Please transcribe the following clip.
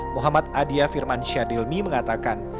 muhammad adia firman syadilmi mengatakan